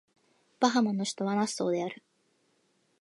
バハマの首都はナッソーである